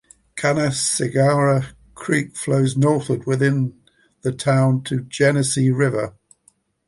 Canaseraga Creek flows northward within the town to the Genesee River.